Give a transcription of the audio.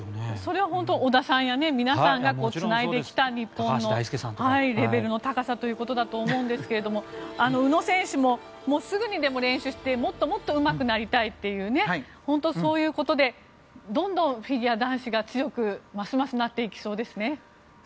それは本当織田さんや皆さんがつないできた日本のレベルの高さだと思いますが宇野選手もすぐにでも練習してもっともっとうまくなりたいというそういうことでどんどんフィギュア男子が強くますますなっていきそうですね。